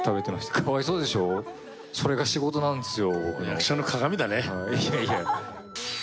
かわいそうでしょ、それが仕事なんですよ。